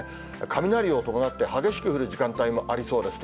雷を伴って激しく降る時間帯もありそうです。